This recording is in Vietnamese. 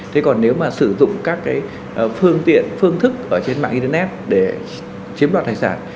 thế còn nếu mà sử dụng các phương tiện phương thức ở trên mạng internet để chiếm đoạt tài sản